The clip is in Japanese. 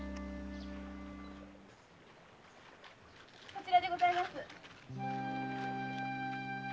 こちらでございます。